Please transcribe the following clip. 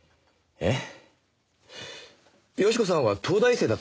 えっ？